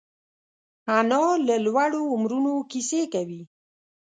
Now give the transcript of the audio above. انا له لوړو عمرونو کیسې کوي